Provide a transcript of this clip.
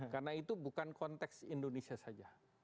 karena itu bukan konteks indonesia saja